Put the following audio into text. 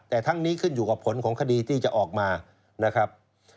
แต่ทั้งนี้ขึ้นอยู่กับผลของคดีที่จะออกมานะครับ